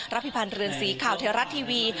รับพิพันธ์เรือนสีข่าวเทรารัตน์ทีวี